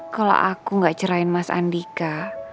kalau aku gak cerahin mas andika